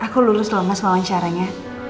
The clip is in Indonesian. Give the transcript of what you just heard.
aku lulus loh mas wawancaranya